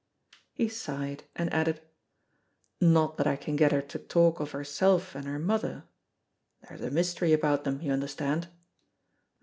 He sighed, and added: "Not that I can get her to talk of herself and her mother. (There is a mystery about them, you understand.)